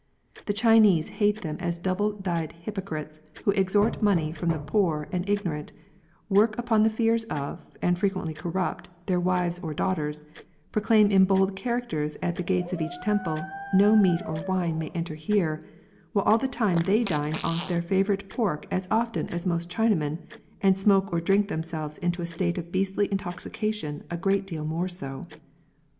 The Chinese hate them as double dyed hypocrites who extort money from the poor and ignorant, work upon the fears of, and frequently corrupt, their wives or daughters ; proclaim in bold characters at the gates of each temple —" no meat or wine may enter here "— while all the time they dine off their favourite pork as often as most Chinamen, and smoke or drink themselves into a state of beastly intoxication a great deal more so.